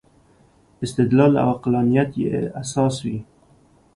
استدلال او عقلانیت یې اساس وي.